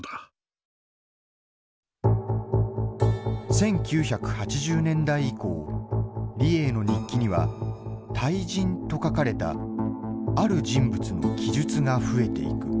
１９８０年代以降李鋭の日記には「大人」と書かれたある人物の記述が増えていく。